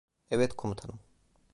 Evet komutanım.